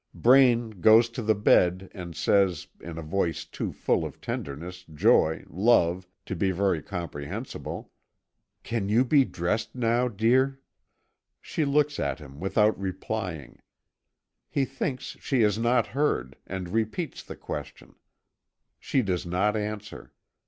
Braine goes to the bed, and says, in a voice too full of tenderness, joy, love, to be very comprehensible: "Can you be dressed now, dear?" She looks at him without replying. He thinks she has not heard, and repeats the question. She does not answer.